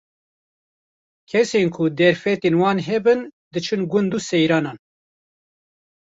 Kesên ku derfetên wan hebin, diçin gund û seyranan.